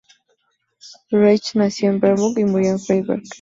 Reich nació en Bernburg y murió en Freiberg.